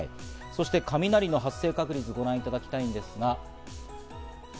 そして雷の発生確率をご覧いただきます。